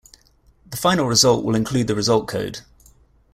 The final result will include the result code.